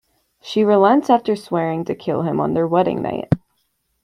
She relents after swearing to kill him on their wedding night.